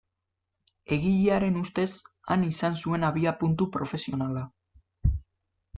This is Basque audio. Egilearen ustez han izan zuen abiapuntu profesionala.